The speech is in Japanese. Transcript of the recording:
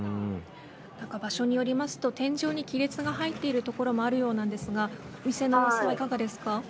場所によりますと天井に亀裂が入っている所もあるようなんですが店側それはいかがですか。